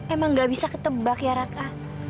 emang gak bisa ketebak ya raka